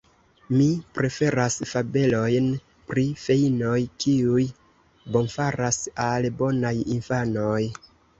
Mi preferas fabelojn pri feinoj, kiuj bonfaras al bonaj infanoj.